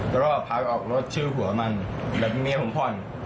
ทะเลาะพาไปออกรถชื่อหัวมันแล้วพี่เมียผมพ่อน